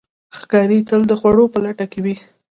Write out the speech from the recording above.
ښکاري تل د خوړو په لټه کې وي.